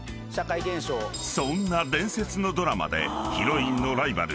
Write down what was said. ［そんな伝説のドラマでヒロインのライバル